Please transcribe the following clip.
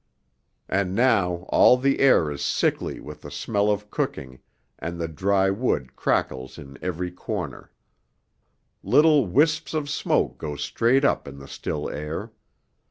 And now all the air is sickly with the smell of cooking, and the dry wood crackles in every corner; little wisps of smoke go straight up in the still air.